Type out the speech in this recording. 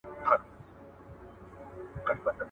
د مسلکي مسلمان ډاکټر لخوا ئې تعين وسو.